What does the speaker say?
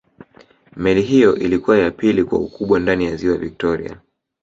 meli hiyo ilikuwa ya pili kwa ukubwa ndani ya ziwa victoria